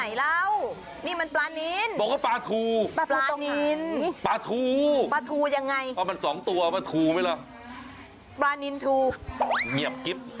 เงียบกิ๊บ